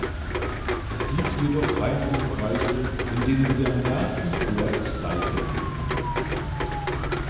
Es gibt jedoch einige Bereiche, in denen wir nach wie vor Zweifel hegen.